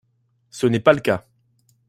Ce n’est pas le cas